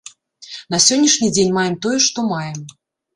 На сённяшні дзень маем тое, што маем.